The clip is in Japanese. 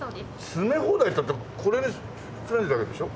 詰め放題っていったってこれに詰めるだけでしょ？